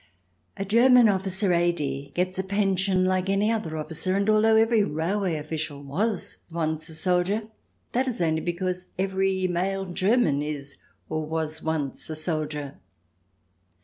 A German officer, A.D., gets a pension like any other officer, and although every railway official was once a soldier, that is only because every male German is, or was once, a soldier.